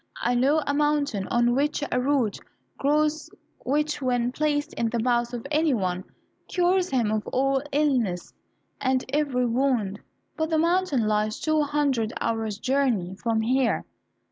I know a mountain on which a root grows which, when placed in the mouth of any one, cures him of all illness and every wound. But the mountain lies two hundred hours journey from here."